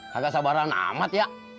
kagak sabaran amat ya